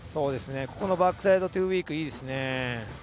ここのバックサイドトゥーウィークいいですね。